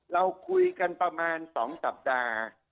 เราคุยกันประมาณ๒สัปดาห์